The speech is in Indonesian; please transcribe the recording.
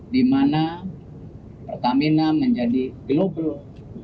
di mana pertamina menjadi global